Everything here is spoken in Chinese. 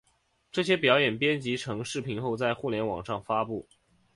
这些表演编辑成视频后在互联网上公布。